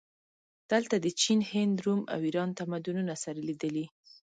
دلته د چین، هند، روم او ایران تمدنونه سره لیدلي